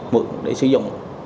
mượn để sử dụng